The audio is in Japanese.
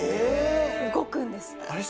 動くんです